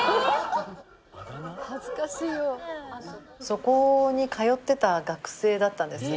そこに通っていた学生だったんです。